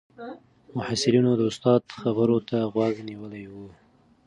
محصلینو د استاد خبرو ته غوږ نیولی و.